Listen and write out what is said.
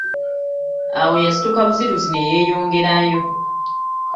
Awo yasituka busitusi ne yeeyongerayo.